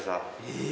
え！